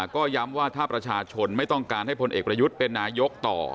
ก็ย้ำว่าถ้าประชาชนไม่ต้องการให้พลเอกประยุทธ์เป็นนายกต่อ